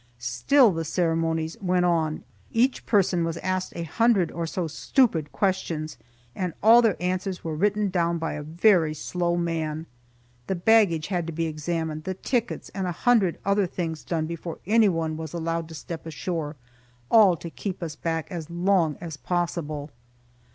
Still the ceremonies went on. Each person was asked a hundred or so stupid questions, and all their answers were written down by a very slow man. The baggage had to be examined, the tickets, and a hundred other things done before anyone was allowed to step ashore, all to keep us back as long as possible.